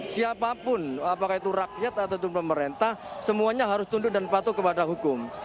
siapapun apakah itu rakyat atau pemerintah semuanya harus tunduk dan patuh kepada hukum